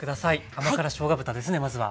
甘辛しょうが豚ですねまずは。